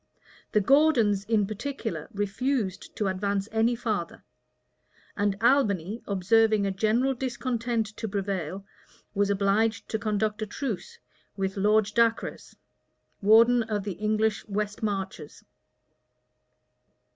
The Gordons, in particular, refused to advance any farther; and Albany, observing a general discontent to prevail was obliged to conclude a truce with Lord Dacres, warden of the English west marches.